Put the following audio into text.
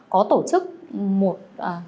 có tổ chức một